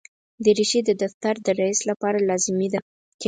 دریشي د دفتر د رئیس لپاره لازمي ده.